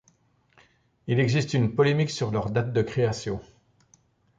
Il existe une polémique sur leur date de création.